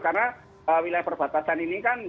karena wilayah perbatasan ini kan